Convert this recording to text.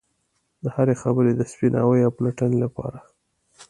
د هرې خبرې د سپیناوي او پلټنې لپاره.